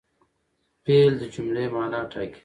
فعل د جملې مانا ټاکي.